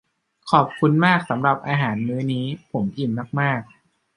ขอบคุณมากสำหรับอาหารมื้อนี้ ผมอิ่มมาก ๆ